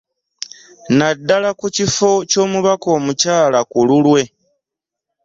Naddala ku kifo ky'omubaka omukyala ku lulwe